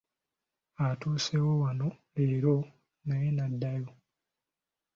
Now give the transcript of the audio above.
Atuuseewo wano leero naye n’addayo.